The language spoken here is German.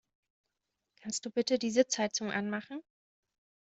Kannst du bitte die Sitzheizung anmachen?